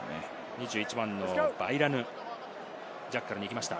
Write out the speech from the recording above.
２１番のヴァイラヌ、ジャッカルに行きました。